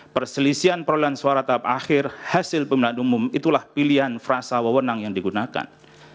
perselisihan perolehan suara tahap akhir hasil pemilihan umum itulah pilihan frasa wawenang yang digunakan